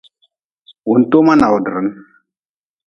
Wuntoma nawdrin.